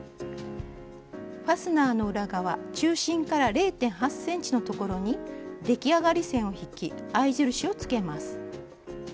ファスナーの裏側中心から０．８ｃｍのところに出来上がり線を引き合い印をつけます。